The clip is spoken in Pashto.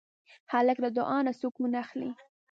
هلک له دعا نه سکون اخلي.